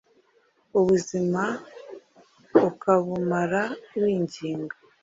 ubuzima ukabumara winginga;